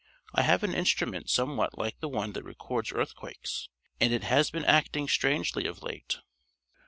I have an instrument somewhat like the one that records earthquakes, and it has been acting strangely of late."